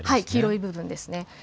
黄色い部分ですね。